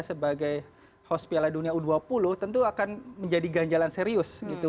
sebagai host piala dunia u dua puluh tentu akan menjadi ganjalan serius gitu